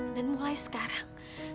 dan mulai sekarang